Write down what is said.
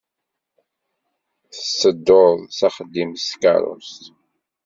Tettedduḍ s axeddim s tkeṛṛust.